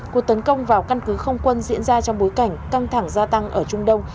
cuộc tấn công vào căn cứ không quân diễn ra trong bối cảnh căng thẳng gia tăng ở trung đông